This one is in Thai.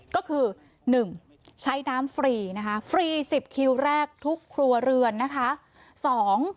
ก็คือ๑ใช้น้ำฟรีนะคะฟรี๑๐คิวแรกทุกครัวเรือนนะคะ